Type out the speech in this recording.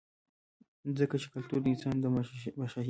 ځکه چې کلتور د انسان د مشاهدې